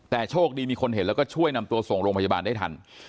แต่โชคดีมีคนเห็นแล้วก็ช่วยนำตัวส่งโรงพยาบาลได้ทัน